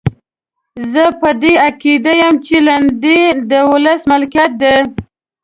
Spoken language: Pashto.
زه په دې عقیده یم چې لنډۍ د ولس ملکیت دی.